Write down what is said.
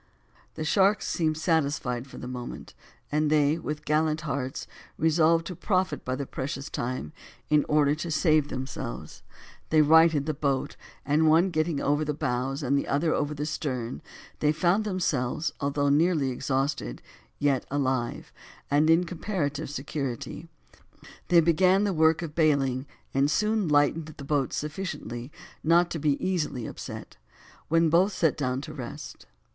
The sharks seemed satisfied for the moment, and they, with gallant hearts, resolved to profit by the precious time in order to save themselves; they righted the boat, and one getting over the bows, and the other over the stern, they found themselves although nearly exhausted, yet alive, and in comparative security, they began the work of bailing, and soon lightened the boat sufficiently not to be easily upset, when both set down to rest.